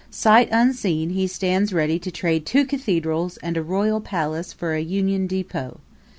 Sight unseen, he stands ready to trade two cathedrals and a royal palace for a union depot.